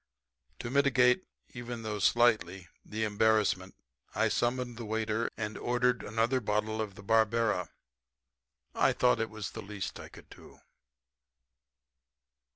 To mitigate, even though slightly, the embarrassment I summoned the waiter and ordered another bottle of the Barbera. I thought it was the least I could do.